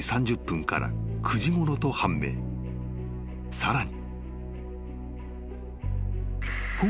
［さらに］